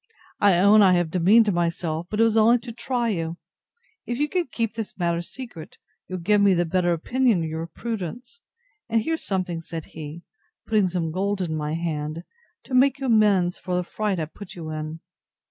I own I have demeaned myself; but it was only to try you. If you can keep this matter secret, you'll give me the better opinion of your prudence; and here's something, said he, putting some gold in my hand, to make you amends for the fright I put you in.